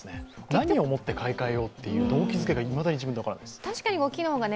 何をもって買い替えようという動機付けがいまだに自分で分からないです。